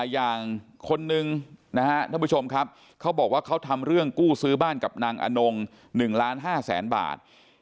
อย่างคนนึงนะฮะท่านผู้ชมครับเขาบอกว่าเขาทำเรื่องกู้ซื้อบ้านกับนางอนง๑ล้าน๕แสนบาท